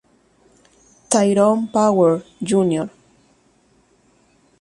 Tyrone Power, Jr.